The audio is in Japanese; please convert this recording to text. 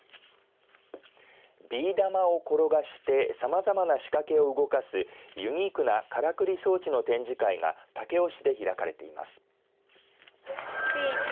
ビー玉を転がしてさまざまな仕掛けを動かすユニークなからくり装置の展示会が武雄市で開かれています。